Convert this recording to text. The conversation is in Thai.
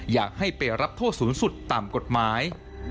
อยากให้ไปรับโทษสูงสุดตามกฎหมาย